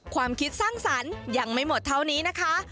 ความคิดสร้างสรรค์ยังไม่หมดเท่านี้นะคะ